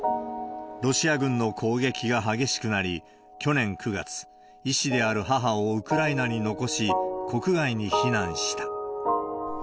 ロシア軍の攻撃が激しくなり、去年９月、医師である母をウクライナに残し、国外に避難した。